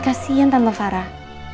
kasian tante farah